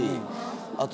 あと。